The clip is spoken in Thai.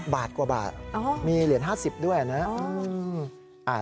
บาทกว่าบาทมีเหรียญ๕๐ด้วยนะครับ